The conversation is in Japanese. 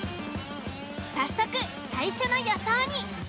早速最初の予想に。